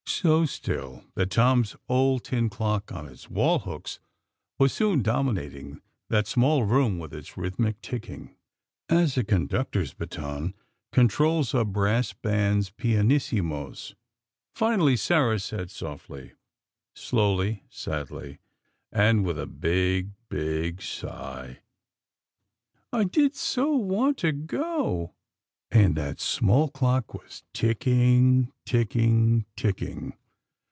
So still that Tom's old tin clock on its wall hooks was soon dominating that small room with its rhythmic ticking, as a conductor's baton controls a brass band's pianissimos. Finally Sarah said softly, slowly, sadly and with a big, big sigh: "I did so want to go." And that small clock was ticking, ticking, ticking